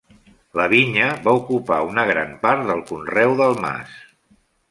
La vinya va ocupar una gran part del conreu del mas.